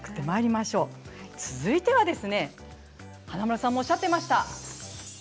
続いては華丸さんもおっしゃっていました